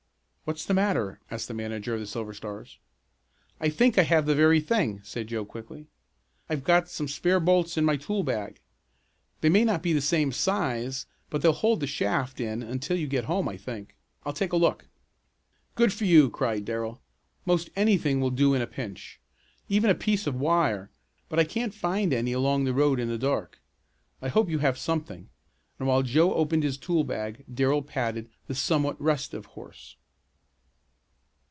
"What's the matter?" asked the manager of the Silver Stars. "I think I have the very thing!" said Joe quickly. "I've got some spare bolts in my tool bag. They may not be the same size, but they'll hold the shaft in until you get home I think. I'll take a look." "Good for you!" cried Darrell. "Most anything will do in a pinch. Even a piece of wire, but I can't find any along the road in the dark. I hope you have something," and while Joe opened his tool bag Darrell patted the somewhat restive horse.